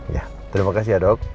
ya terima kasih ya dok